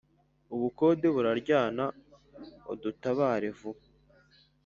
Ubukode buraryana udutabare vuba